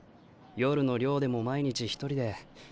夜の寮でも毎日一人で。